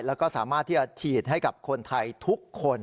แล้วก็สามารถที่จะฉีดให้กับคนไทยทุกคน